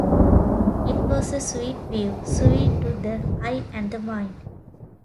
It was a sweet view: sweet to the eye and the mind.